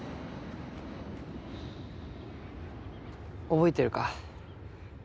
覚えてるか？